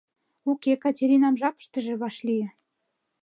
Уке, Катеринам жапыштыже вашлие.